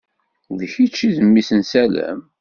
D kečč i d mmi-s n Salem?